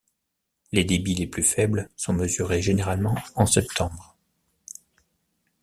Les débits les plus faibles sont mesurés généralement en septembre.